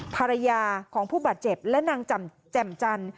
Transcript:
ภรรยาของผู้บาดเจ็บและนางแจ่มจันทร์